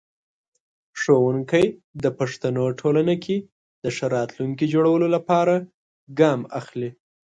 ښوونکی د پښتنو ټولنې کې د ښه راتلونکي جوړولو لپاره ګام اخلي.